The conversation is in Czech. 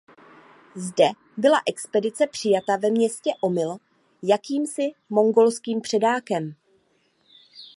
Zde byla expedice přijata ve městě Omyl jakýmsi mongolským předákem.